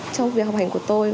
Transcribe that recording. trong việc học hành của tôi